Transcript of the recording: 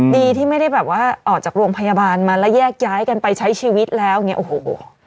ดีที่ไม่ได้แบบว่าออกจากโรงพยาบาลมาแล้วแยกย้ายกันไปใช้ชีวิตแล้วอย่างนี้โอ้โห